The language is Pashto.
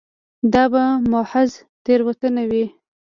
دا به محض تېروتنه وي.